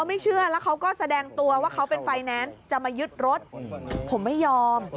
มายึดรถผมไม่ยอม